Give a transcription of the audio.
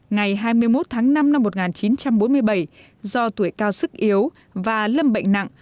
ngày hai mươi một tháng năm năm một nghìn chín trăm bốn mươi bảy do tuổi cao sức yếu và lâm bệnh nặng